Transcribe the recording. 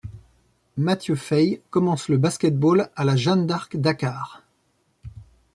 Mathieu Faye commence le basket-ball à la Jeanne d'Arc Dakar.